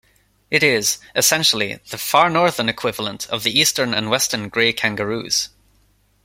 It is, essentially, the far-northern equivalent of the eastern and western grey kangaroos.